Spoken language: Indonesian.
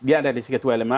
dia ada di situ ketua lemah